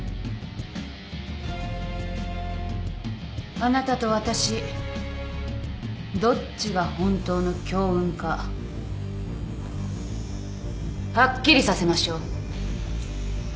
あなたと私どっちが本当の強運かはっきりさせましょう。